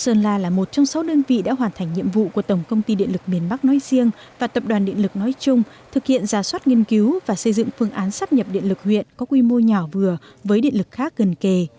sơn la là một trong sáu đơn vị đã hoàn thành nhiệm vụ của tổng công ty điện lực miền bắc nói riêng và tập đoàn điện lực nói chung thực hiện giả soát nghiên cứu và xây dựng phương án sắp nhập điện lực huyện có quy mô nhỏ vừa với điện lực khác gần kề